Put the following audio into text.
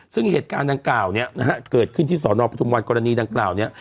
ซึ่งเหตุการณ์ดังกล่าวเนี่ยนะฮะเกิดขึ้นที่สอนอปทุมวันกรณีดังกล่าวเนี่ย